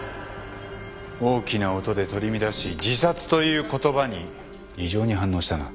大きな音で取り乱し「自殺」という言葉に異常に反応したな。